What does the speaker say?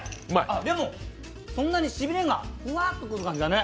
でもそんなにしびれがうわーってくる感じがね。